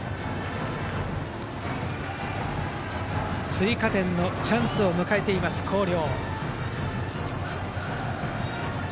追加点のチャンスを迎えている広陵。